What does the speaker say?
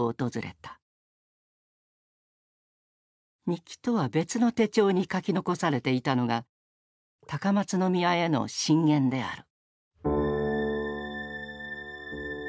日記とは別の手帳に書き残されていたのが高松宮への進言である。